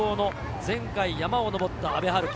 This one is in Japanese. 前回、山を上った阿部陽樹。